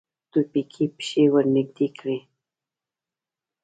تورپيکۍ پښې ورنږدې کړې.